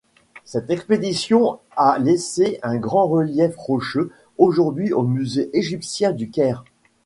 Cette expédition a laissé un grand relief rocheux, aujourd'hui au Musée égyptien du Caire.